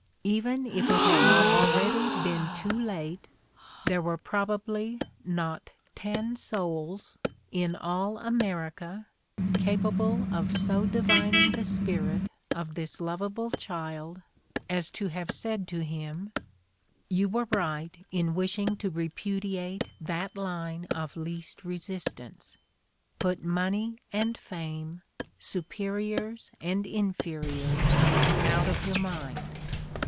Even if it had not already been too 94 The Ordeal of Mark Twain late, there were probably not ten souls in all America capable of so divining the spirit of this lovable child as to have said to him: "You were right in wishing to repudiate that line of least resistance. Put money and fame, superiors and inferiors, out of your mind.